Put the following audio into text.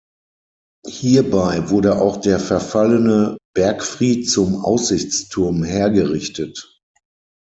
Hierbei wurde auch der verfallene Bergfried zum Aussichtsturm hergerichtet.